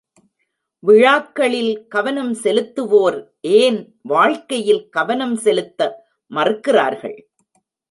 விழாக்களில் கவனம் செலுத்துவோர் ஏன் வாழ்க்கையில் கவனம் செலுத்த மறுக்கிறார்கள்?